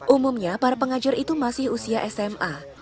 umumnya para pengajar itu masih usia sma